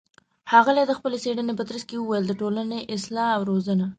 ښاغلى د خپلې څېړنې په ترڅ کې وويل چې د ټولنې اصلاح او روزنه